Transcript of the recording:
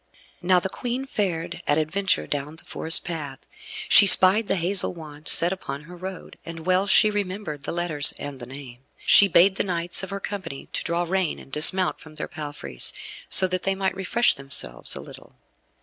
Now the Queen fared at adventure down the forest path. She spied the hazel wand set upon her road, and well she remembered the letters and the name. She bade the knights of her company to draw rein, and dismount from their palfreys, so that they might refresh themselves a little.